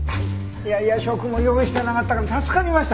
いや夜食も用意してなかったから助かりました。